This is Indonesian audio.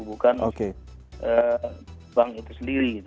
bukan bank itu sendiri